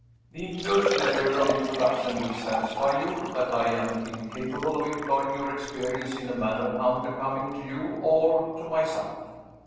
The inclosed letter of introduction will satisfy you that I am incapable of employing your experience in a manner unbecoming to you, or to myself.